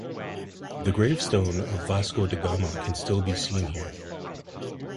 The gravestone of Vasco da Gama can still be seen here.